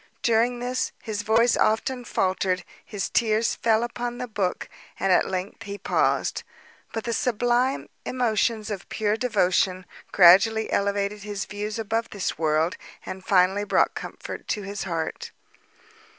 During this, his voice often faltered, his tears fell upon the book, and at length he paused. But the sublime emotions of pure devotion gradually elevated his views above this world, and finally brought comfort to his heart.